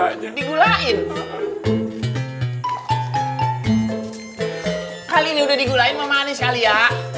kali ini udah digulain sama manis kali ya